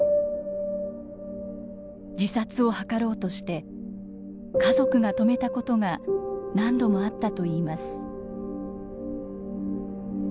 自殺を図ろうとして家族が止めたことが何度もあったといいます。